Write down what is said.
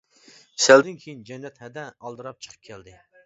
سەلدىن كېيىن جەننەت ھەدە ئالدىراپ چىقىپ كەلدى.